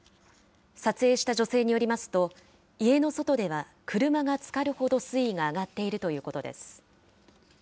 撮影した女性によりますと、家の外では車がつかるほど水位が上がっているということです。